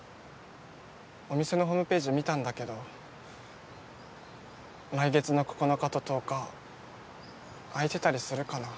お店のホームぺージ見たんだけど来月の９日と１０日空いてたりするかな？